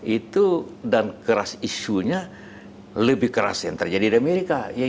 itu dan keras isunya lebih keras yang terjadi di amerika